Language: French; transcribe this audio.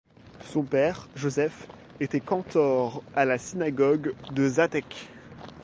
Son père, Josef, était cantor à la synagogue de Žatec.